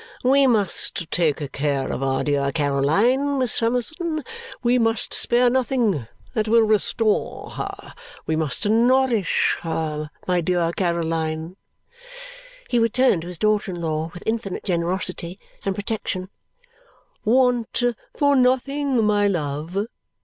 We must take care of our dear Caroline, Miss Summerson. We must spare nothing that will restore her. We must nourish her. My dear Caroline" he would turn to his daughter in law with infinite generosity and protection "want for nothing, my love.